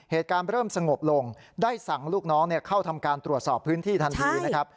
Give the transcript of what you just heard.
เหตุการณ์เริ่มสงบลงได้สั่งลูกน้องเข้าทำการตรวจสอบพื้นที่ทันทีนะครับ